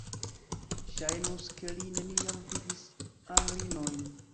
Ŝajnus, ke li neniam vidis Anglinojn!